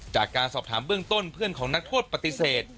จากการสอบถามเบื้องต้นเพื่อนของนักโทษปฏิเสธ